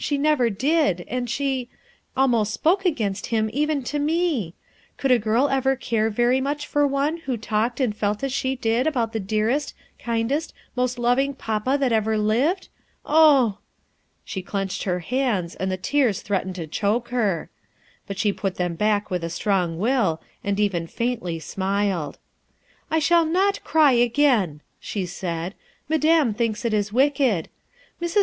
She never did; and she — almost spoke against him, even to me ! Could a girl ever care very much for one who talked and felt as she did about the dearest, kindest, most loving papa that ever lived? oh!" She clenched her hands, and the tears threat ened to choke her; but she put them back with a strong will, and even faintly smiled, 11 1 shall not cry again/' she said. "Madame thinks it is wicked. Mrs.